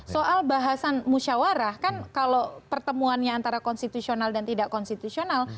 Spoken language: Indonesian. soal bahasan musyawarah kan kalau pertemuannya antara konstitusional dan tidak konstitusional